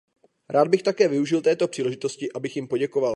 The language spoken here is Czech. Rád bych také využil této příležitosti, abych jim poděkoval.